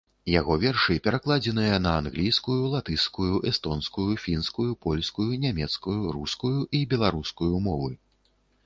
Яго вершы перакладзеныя на англійскую, латышскую, эстонскую, фінскую, польскую, нямецкую, рускую і беларускую мовы.